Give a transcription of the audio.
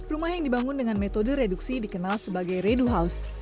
rumah yang dibangun dengan metode reduksi dikenal sebagai redu house